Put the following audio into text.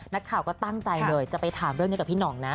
นักข่าวก็ตั้งใจเลยจะไปถามเรื่องนี้กับพี่ห่องนะ